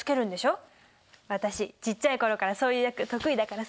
私ちっちゃい頃からそういう役得意だからさ。